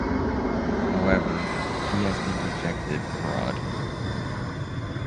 However, he has been rejected abroad.